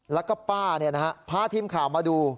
แล้วก็ป้าพาทีมข่าวมาดู